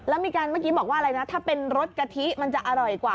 แล้วมีการเมื่อกี้บอกว่าอะไรนะถ้าเป็นรสกะทิมันจะอร่อยกว่า